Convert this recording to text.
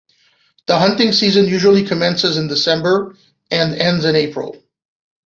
The hunting season usually commences in December and ends in April.